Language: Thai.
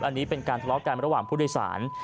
อันนี้เป็นการทะเลาะกันระหว่างผู้โดยสาร